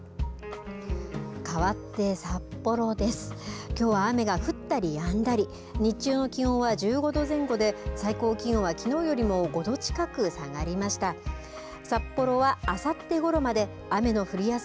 かわって札幌です。